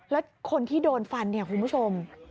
แล้วคนที่โดนฟันคุณผู้ชม